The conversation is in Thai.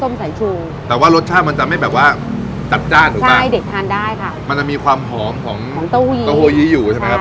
มีตัวผสมของไรบ้างครับเนี่ย